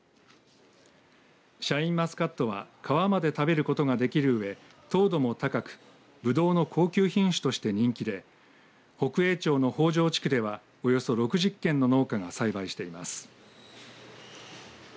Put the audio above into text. シャインマスカットは皮まで食べることができるうえ糖度も高くぶどうの高級品種として人気で北栄町の北条地区ではおよそ６０軒の農家が栽培しています。